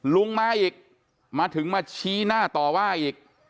ลุงมาอีกมาถึงมาชี้หน้าต่อว่าอีก